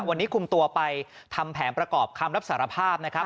วันนี้คุมตัวไปทำแผนประกอบคำรับสารภาพนะครับ